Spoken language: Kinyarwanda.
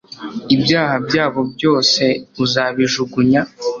ibyaha byabo byose uzabijugunya